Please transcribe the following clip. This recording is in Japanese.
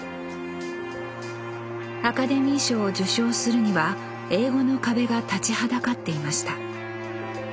アカデミー賞を受賞するには英語の壁が立ちはだかっていました